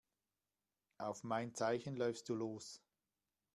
Auf mein Zeichen läufst du los.